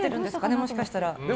もしかしたら。